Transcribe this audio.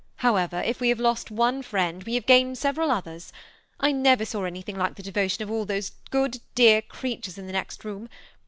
However, if we have lost one friend, we have gained several others. I never saw anything like the devotion of all those dear good creatures in the next room.